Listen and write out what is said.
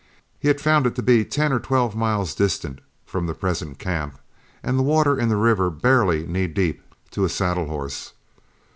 He had found it to be ten or twelve miles distant from the present camp, and the water in the river barely knee deep to a saddle horse.